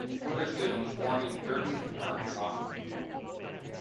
Witherspoon was born in Gurdon, Arkansas.